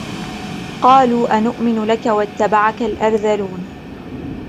قالوا أنؤمن لك واتبعك الأرذلون